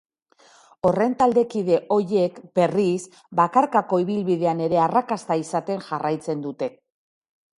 Horren taldekide ohiek, berriz, bakarkako ibilbidean ere arrakasta izaten jarraitzen dute.